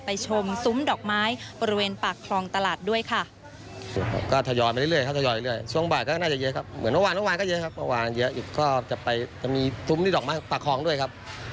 ชมซุ้มดอกไม้บริเวณปากคลองตลาดด้วยค่ะ